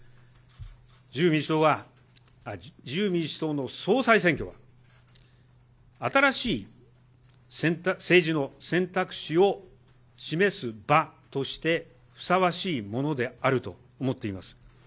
自由民主党は、自由民主党の総裁選挙は、新しい政治の選択肢を示す場として、ふさわしいものであると思っています。